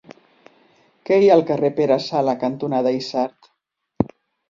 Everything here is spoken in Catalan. Què hi ha al carrer Pere Sala cantonada Isard?